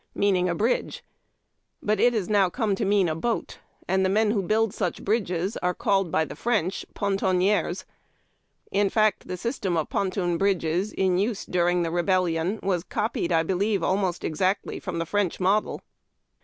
meaning a bridge, but it has now come to mean a boat, and the men who build sueli bridges are called by the French poiitouiers. In fact, the system of ponton bridges in use during the Rebel lion was copied, I believe, almost exactly from the French model.